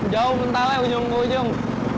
jauh mentah lah ujung keujung